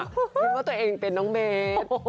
คิดว่าตัวเองเป็นน้องเบส